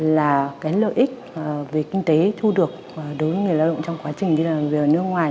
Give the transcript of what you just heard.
là cái lợi ích về kinh tế thu được đối với người lao động trong quá trình đi làm việc ở nước ngoài